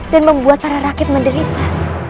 dan membuat para rakyat menderita